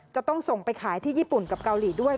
จะต้องส่งไปขายที่ญี่ปุ่นกับเกาหลีด้วย